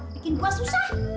bikin gue susah